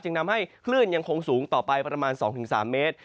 จึงทำให้คลื่นยังคงสูงต่อไปประมาณสองถึงสามเมตร